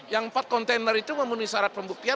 yang empat kontainer itu memenuhi syarat pembuktian